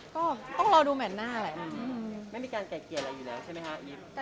ก็ต้องรอดูแบบหน้าล่ะ